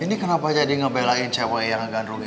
ini kan apa jadi membelahi cewek yang fayz dan psychology